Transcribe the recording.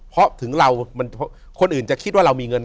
เพราะถึงเราคนอื่นจะคิดว่าเรามีเงิน